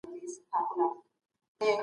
په خپل حسن وه